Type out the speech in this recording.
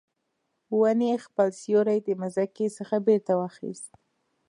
ونې خپل سیوری د مځکې څخه بیرته واخیست